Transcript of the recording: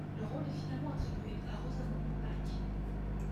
Le rôle est finalement attribué à Rosamund Pike.